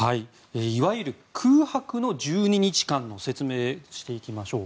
いわゆる空白の１２日間の説明をしていきましょう。